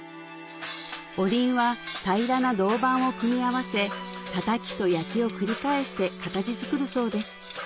おりんは平らな銅板を組み合わせ「たたき」と「焼き」を繰り返して形作るそうです